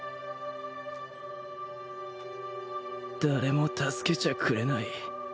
誰も助けちゃくれない